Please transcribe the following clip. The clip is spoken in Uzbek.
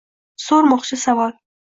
So’rmoqchi savol.